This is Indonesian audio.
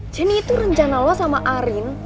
jadi itu rencana lo sama arin